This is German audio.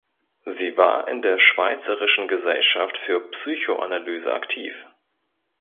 Sie war in der Schweizerischen Gesellschaft für Psychoanalyse aktiv.